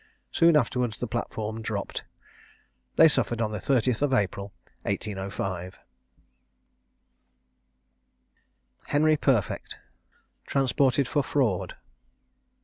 Soon afterwards the platform dropped. They suffered on the 30th of April 1805. HENRY PERFECT. TRANSPORTED FOR FRAUD.